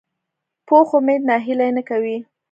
پوخ امید ناهیلي نه کوي